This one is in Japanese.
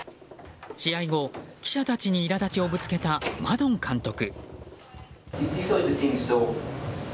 試合後、記者たちにいら立ちをぶつけたマドン監督。